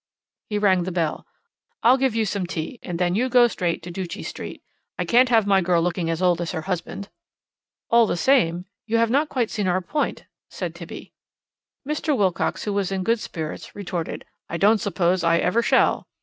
He rang the bell. "I'll give you some tea, and then you go straight to Ducie Street. I can't have my girl looking as old as her husband." "All the same, you have not quite seen our point," said Tibby. Mr. Wilcox, who was in good spirits, retorted, "I don't suppose I ever shall."